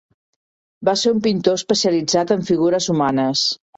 Va ser un pintor especialitzat en figures humanes.